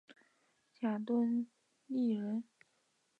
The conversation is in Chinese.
贾敦颐人。